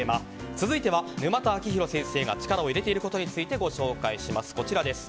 続いては沼田晶弘先生が力を入れていることについてご紹介します。